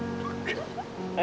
はい。